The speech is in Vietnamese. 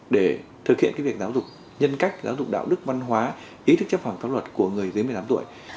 để thực hiện việc giáo dục nhân cách giáo dục đạo đức văn hóa ý thức chấp hành pháp luật của người dưới một mươi tám tuổi